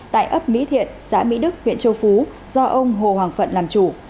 tại ấp mỹ thiện xã mỹ đức huyện châu phú do ông hồ hoàng phận làm chủ